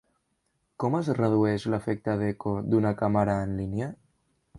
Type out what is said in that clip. Com es redueix l'efecte d'eco d'una càmera en línia?